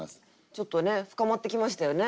ちょっとね深まってきましたよね